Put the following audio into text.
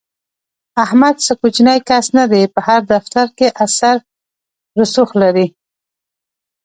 احمد څه کوچنی کس نه دی، په هر دفتر کې اثر رسوخ لري.